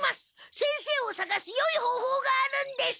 先生をさがすよいほうほうがあるんです！